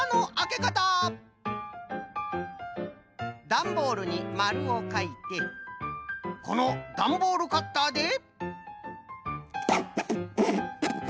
ダンボールにまるをかいてこのダンボールカッターで。